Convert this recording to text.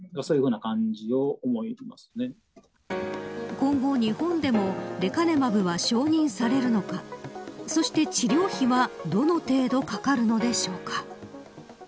今後日本でもレカネマブは承認されるのかそして、治療費はどの程度かかるのでしょうか。